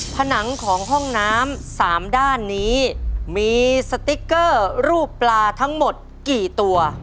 ผนังของห้องน้ำ๓ด้านนี้มีสติ๊กเกอร์รูปปลาทั้งหมดกี่ตัว